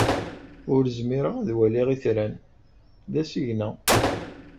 Ur zmireɣ ad waliɣ itran. D asigna.